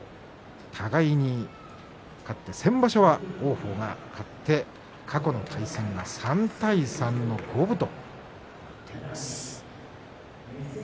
互いに勝って先場所は王鵬が勝って過去の対戦は３対３の五分となっています。